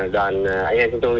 đoàn anh em chúng tôi